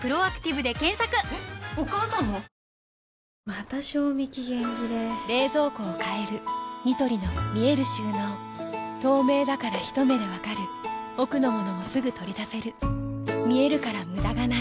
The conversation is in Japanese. また賞味期限切れ冷蔵庫を変えるニトリの見える収納透明だからひと目で分かる奥の物もすぐ取り出せる見えるから無駄がないよし。